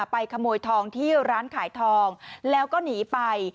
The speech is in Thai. ขโมยทองที่ร้านขายทองแล้วก็หนีไป